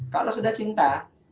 kalau sudah cinta